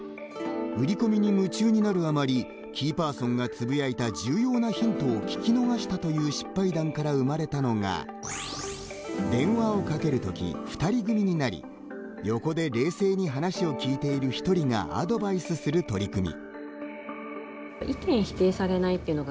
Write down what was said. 売り込みに夢中になるあまりキーパーソンがつぶやいた重要なヒントを聞き逃したという失敗談から生まれたのが電話をかける時、２人組になり横で冷静に話を聞いている１人がアドバイスする取り組み。